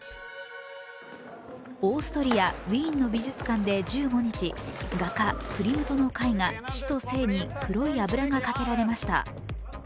オーストリア・ウィーンの美術館で１５日画家・クリムトの絵画、「死と生」に黒い油がかけられました。